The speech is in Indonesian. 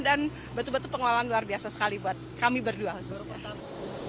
dan betul betul pengalaman luar biasa sekali buat kami berdua